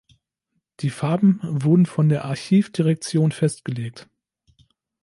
Die Farben wurden von der Archivdirektion festgelegt.